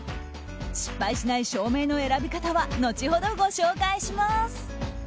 失敗しない照明の選び方は後ほど、ご紹介します。